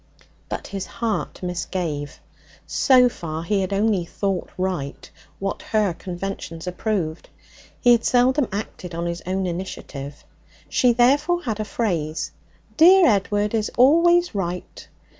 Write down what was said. But his heart misgave. So far he had only 'thought right' what her conventions approved. He had seldom acted on his own initiative. She therefore had a phrase, 'Dear Edward is always right.'